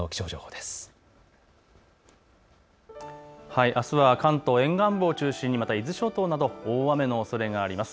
あすは関東沿岸部を中心にまた伊豆諸島など大雨のおそれがあります。